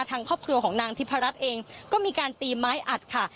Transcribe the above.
ทางครอบครัวของนางทิพรัชเองก็มีการตีไม้อัดค่ะ